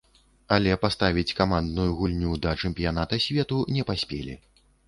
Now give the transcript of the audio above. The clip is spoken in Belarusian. Але паставіць камандную гульню да чэмпіяната свету не паспелі.